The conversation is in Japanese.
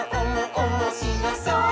おもしろそう！」